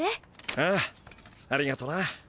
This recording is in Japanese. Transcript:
ああありがとな。